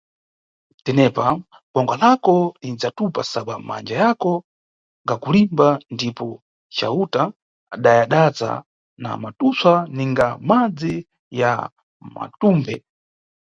Tenepa gwanga lako linʼdzatupa, sabwa manja yako ngakulimba, ndipo cayuta adayadaza na matupswa, ninga madzi ya matumphe.